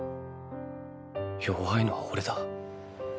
弱いのはオレだ。